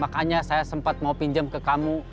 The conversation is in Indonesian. makanya saya sempat mau pinjam ke kamu